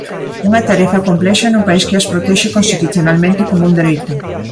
Unha tarefa complexa nun país que as protexe constitucionalmente como un dereito.